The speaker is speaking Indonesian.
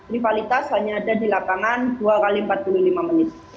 rivalitas hanya ada di lapangan dua x empat puluh lima menit